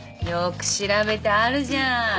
よく調べてあるじゃん。